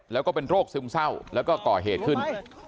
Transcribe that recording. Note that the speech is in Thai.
แล้วก็เป็นโรคซึมเศร้าแล้วก็ก่อเหตุขึ้น